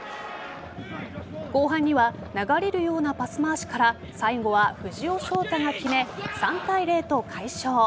後半には流れるようなパス回しから最後は藤尾翔太が決め３対０と快勝。